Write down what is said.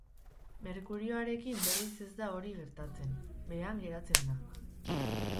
Merkurioarekin berriz ez da hori gertatzen, behean geratzen da.